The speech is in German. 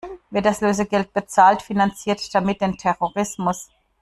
Wer das Lösegeld bezahlt, finanziert damit den Terrorismus.